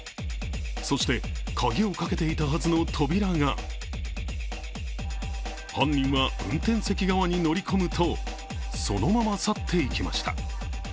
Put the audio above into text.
そして鍵をかけていたはずの扉が犯人は運転席側に乗り込むとそのまま去って行きました。